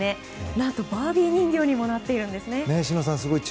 何と、バービー人形にもなっているんですね。